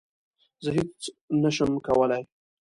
زه هیڅ نه شم کولای